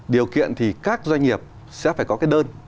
điều kiện thì các doanh nghiệp sẽ phải có cái đơn